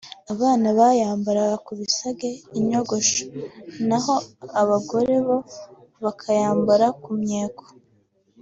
Abana bayambaraga ku bisage (inyogosho) naho abagore bo bakayambara ku mweko